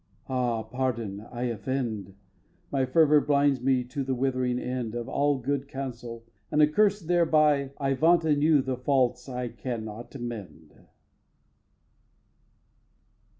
Ah, pardon! I offend; My fervor blinds me to the withering end Of all good council, and, accurst thereby, I vaunt anew the faults I cannot mend.